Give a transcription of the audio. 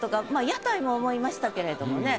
屋台も思いましたけれどもね